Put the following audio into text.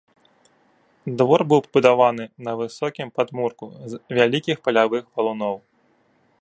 Двор быў пабудаваны на высокім падмурку з вялікіх палявых валуноў.